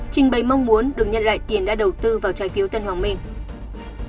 trình bày mong muốn được nhận lại tiền đã đầu tư vào trái phiếu tân hoàng minh